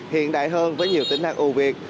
hiện đại hơn với nhiều tính năng ưu việt